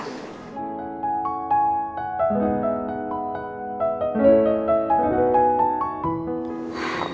loh apaan deh